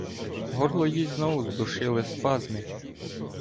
Горло їй знову здушили спазми.